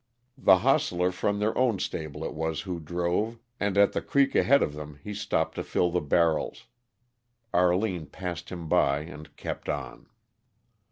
The hostler from their own stable it was who drove, and at the creek ahead of them he stopped to fill the barrels. Arline passed him by and kept on.